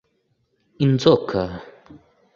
inzoka